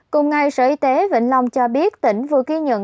cùng ngày sở y tế vĩnh long cho biết tỉnh vừa ghi nhận